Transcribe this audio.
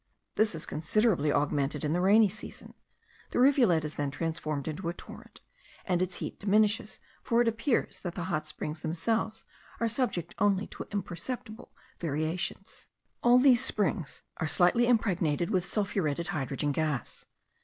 This is considerably augmented in the rainy season; the rivulet is then transformed into a torrent, and its heat diminishes for it appears that the hot springs themselves are subject only to imperceptible variations. All these springs are slightly impregnated with sulphuretted hydrogen gas.